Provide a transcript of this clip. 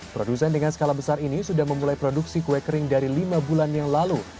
produsen dengan skala besar ini sudah memulai produksi kue kering dari lima bulan yang lalu